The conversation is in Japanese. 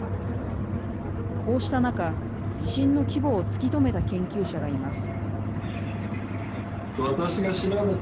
こうした中地震の規模を突き止めた研究者がいます